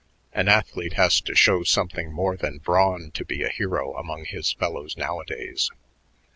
An athlete has to show something more than brawn to be a hero among his fellows nowadays."